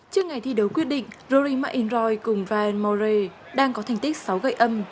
trước ngày thi đấu quyết định rory mcilroy cùng ryan murray đang có thành tích sáu gậy âm